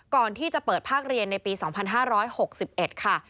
ก่อนที่จะเปิดภาคเรียนในปี๒๕๖๑ค่ะ